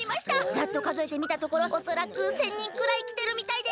ざっとかぞえてみたところおそらく１，０００人くらいきてるみたいです。